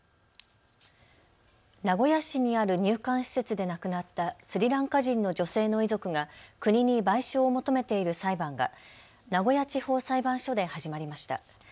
名古屋市にある入管施設で亡くなったスリランカ人の女性の遺族が国に賠償を求めている裁判が名古屋地方裁判所で始まりました。